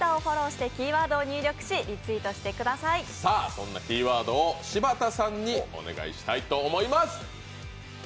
そんなキーワードを柴田さんにお願いしたいと思います。